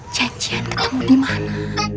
janjian ketemu dimana